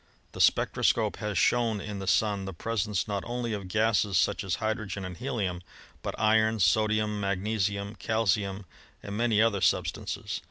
The spectro scope has shown in the Sun the presence not only of gases such as hydrogen and helium, but iron, sodium, mag nesium, calcium, and many other substances.